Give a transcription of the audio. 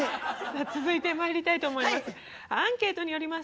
続いてまいりたいと思います。